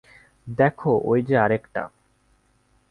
দেখো, ওই যে আরেকটা।